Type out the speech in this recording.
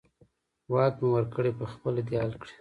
واک مې ورکړی، په خپله دې حل کړي.